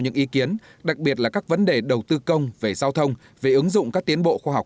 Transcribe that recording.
những ý kiến đặc biệt là các vấn đề đầu tư công về giao thông về ứng dụng các tiến bộ khoa học